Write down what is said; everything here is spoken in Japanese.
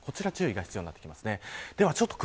こちら、注意が必要になってきますね。